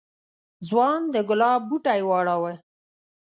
ځوان د گلاب بوټی واړاوه.